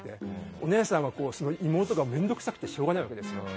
お姉さんは妹が面倒くさくてしょうがないわけなんですよ。